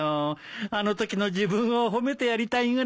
あのときの自分を褒めてやりたいぐらいだ。